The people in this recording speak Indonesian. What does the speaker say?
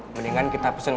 mendingan kita bersemangat